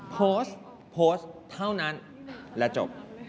โพสต์โพสต์เท่านั้นและจบ